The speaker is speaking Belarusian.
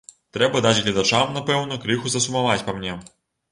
Трэба даць гледачам, напэўна, крыху засумаваць па мне.